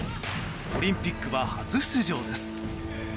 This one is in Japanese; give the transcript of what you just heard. オリンピックは初出場です。